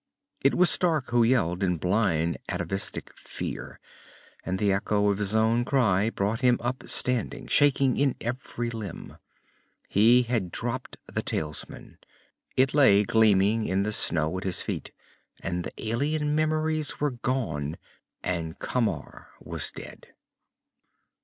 It was Stark who yelled in blind atavistic fear, and the echo of his own cry brought him up standing, shaking in every limb. He had dropped the talisman. It lay gleaming in the snow at his feet, and the alien memories were gone and Camar was dead.